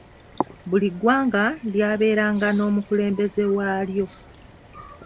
Buli ggwanga ly’abeeranga n’omukulembeze waalyo.